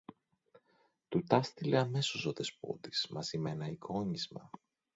Του τάστειλε αμέσως ο Δεσπότης, μαζί μ' ένα εικόνισμα